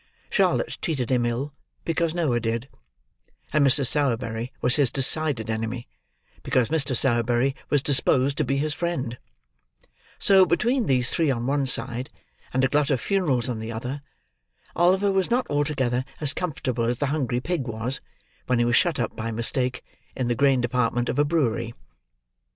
Charlotte treated him ill, because Noah did; and Mrs. Sowerberry was his decided enemy, because Mr. Sowerberry was disposed to be his friend; so, between these three on one side, and a glut of funerals on the other, Oliver was not altogether as comfortable as the hungry pig was, when he was shut up, by mistake, in the grain department of a brewery.